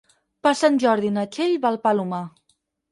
Per Sant Jordi na Txell va al Palomar.